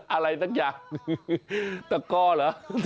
อะไรสักอย่างตะก้อเหรอ